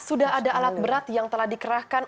sudah ada alat berat yang telah dikerahkan